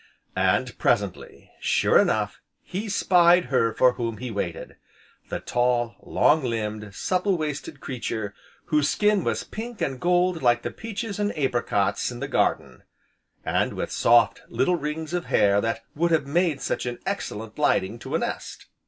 And presently, sure enough, he spied her for whom he waited, the tall, long limbed, supple waisted creature whose skin was pink and gold like the peaches and apricots in the garden, and with soft, little rings of hair that would have made such an excellent lining to a nest.